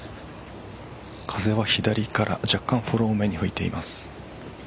風は左から若干フォローめに吹いています。